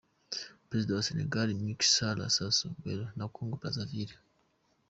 Perezida wa Senegal, Macky Sall na Sassou Nguesso wa Congo Brazaville,.